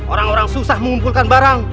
orang orang susah mengumpulkan barang